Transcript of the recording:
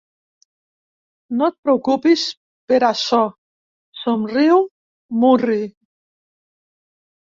No et preocupis per açò —somriu, murri.